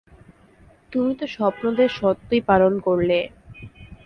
তুমি তো স্বপ্নাদেশ সত্যই পালন করলে!